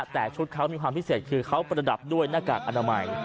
แต่ชุดเขามีความพิเศษคือเขาประดับด้วยหน้ากากอนามัย